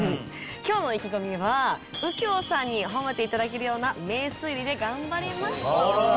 今日の意気込みは「右京さんに褒めて頂けるような名推理で頑張ります」との事でした。